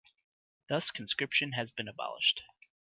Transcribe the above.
Thus conscription had been abolished.